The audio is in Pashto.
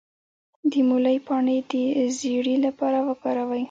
د مولی پاڼې د زیړي لپاره وکاروئ